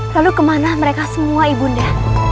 lalu kemana mereka semua ibu nda